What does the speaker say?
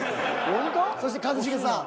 そして一茂さん。